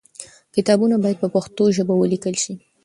کتابونه باید په پښتو ژبه ولیکل سي.